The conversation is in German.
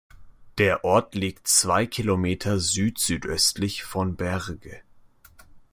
Der Ort liegt zwei Kilometer südsüdöstlich von Bergues.